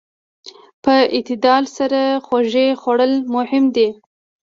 په اعتدال سره خوږې خوړل مهم دي.